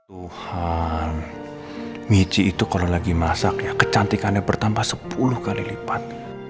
tuhan michi itu kalau lagi masak ya kecantikannya bertambah sepuluh kali lipat